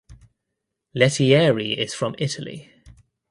Lettieri is from Italy.